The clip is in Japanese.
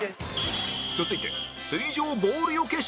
続いて